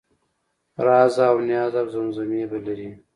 رازاونیازاوزمزمې به لرې